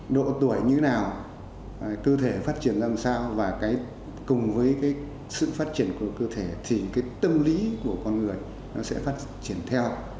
độ tuổi như nào cơ thể phát triển làm sao và cùng với cái sự phát triển của cơ thể thì cái tâm lý của con người nó sẽ phát triển theo